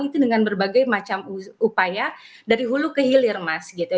itu dengan berbagai macam upaya dari hulu ke hilir mas gitu